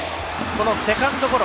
セカンドゴロ。